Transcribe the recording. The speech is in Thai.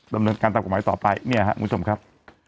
ดำเนินการตัดประมาณต่อไปเนี่ยฮะมุทธมครับ